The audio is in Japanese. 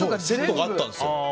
セットがあったんですよ。